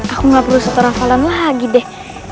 aku gak perlu setarafalan lagi deh